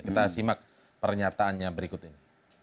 kita simak pernyataannya berikut ini